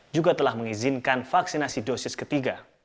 juga telah mengizinkan vaksinasi dosis ketiga